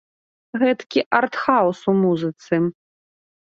Гэткі арт-хаўз у музыцы.